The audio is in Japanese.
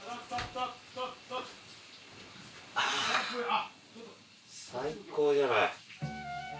あ最高じゃない。